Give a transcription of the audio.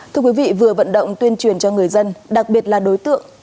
thưa quý vị vừa vận động tuyên truyền cho người dân đặc biệt là đối tượng